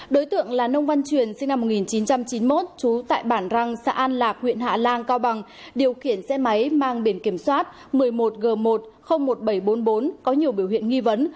đối tượng là nông văn truyền sinh năm một nghìn chín trăm chín mươi một trú tại bản răng xã an lạc huyện hạ lan cao bằng điều khiển xe máy mang biển kiểm soát một mươi một g một trăm linh một nghìn bảy trăm bốn mươi bốn có nhiều biểu hiện nghi vấn